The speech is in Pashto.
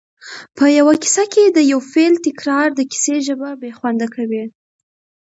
په یوه کیسه کې د یو فعل تکرار د کیسې ژبه بې خونده کوي